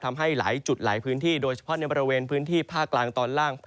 ทำให้หลายจุดหลายพื้นที่โดยเฉพาะในบริเวณพื้นที่ภาคกลางตอนล่าง